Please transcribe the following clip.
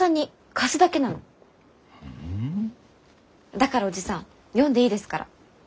だからおじさん読んでいいですから。